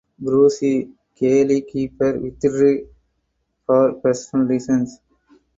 Bruce (Caley keeper) withdrew for personal reasons.